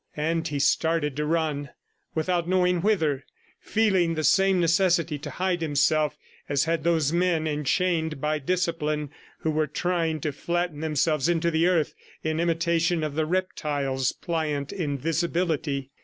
. and he started to run without knowing whither, feeling the same necessity to hide himself as had those men enchained by discipline who were trying to flatten themselves into the earth in imitation of the reptile's pliant invisibility.